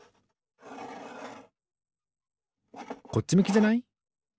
こっちむきじゃない？